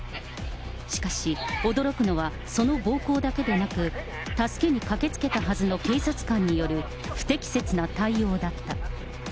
しかし、驚くのはその暴行だけでなく、助けに駆けつけたはずの警察官による不適切な対応だった。